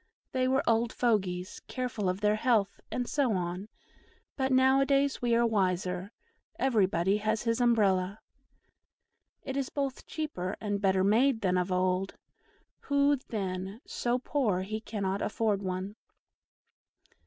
They were old fogies, careful of their health, and so on; but now a days we are wiser. Everybody has his Umbrella. It is both cheaper and better made than of old; who, then, so poor he cannot afford one?